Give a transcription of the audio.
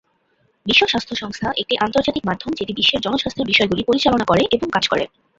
বিশ্ব স্বাস্থ্য সংস্থা একটি আন্তর্জাতিক মাধ্যম যেটি বিশ্বের জনস্বাস্থ্যের বিষয়গুলি পরিচালনা করে এবং কাজ করে।